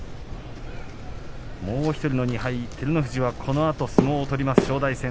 もう１人の２敗、照ノ富士はこのあと相撲を取ります正代戦。